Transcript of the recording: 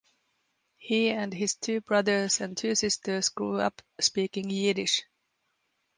He and his two brothers and two sisters grew up speaking Yiddish.